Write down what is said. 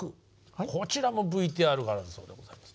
こちらもＶＴＲがあるそうでございます。